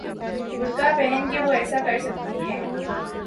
برقعہ پہن کے وہ ایسا کر سکتی ہیں؟